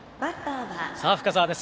さあ、深沢です。